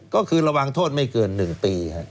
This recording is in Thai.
ก็คือระวังโทษไม่เกิน๑ปี